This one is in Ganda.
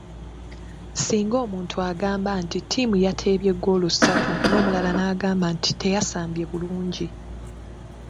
Singa omuntu agamba nti “ttiimu yateebye ggoolo ssatu” n’omulala n’agamba nti “teyasambye bulungi”.